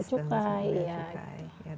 masalah masalah masyarakat yang cukai